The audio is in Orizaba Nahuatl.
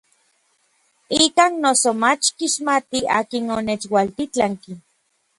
Ikan noso mach kixmatij akin onechualtitlanki.